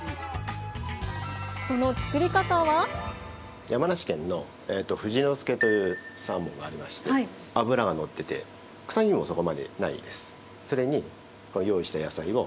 その作り方は山梨県の「富士の介」というサーモンがありまして脂がのってて臭みもそこまでないです。